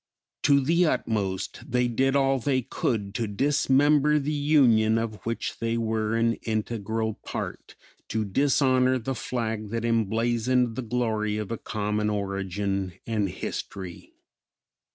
To the utmost they did all they could to dismember the Union of which they were an integral part, to dishonor the flag that emblazoned the glory of a common origin and history.